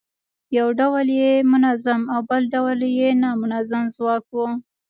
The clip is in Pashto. یو ډول یې منظم او بل ډول یې نامنظم ځواک و.